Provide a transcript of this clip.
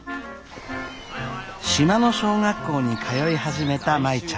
島の小学校に通い始めた舞ちゃん。